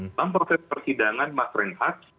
dalam proses persidangan mas renhat